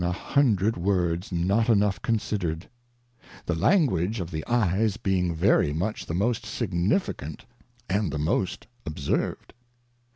a hundred Words not enough considered ; the Language of the Eyes beuig very much the most significant, and the most observed.